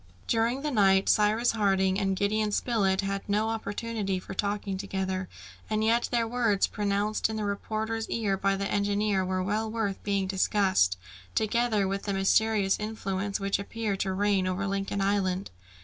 During the night, Cyrus Harding and Gideon Spilett had no opportunity for talking together, and yet the words pronounced in the reporter's ear by the engineer were well worth being discussed, together with the mysterious influence which appeared to reign over Lincoln Island.